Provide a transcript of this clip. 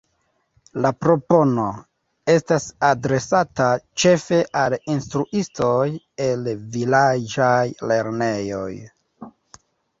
La propono estas adresata ĉefe al instruistoj el vilaĝaj lernejoj.